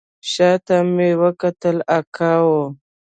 شا ته مې وکتل اکا و.